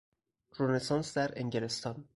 رنسانس در انگلستان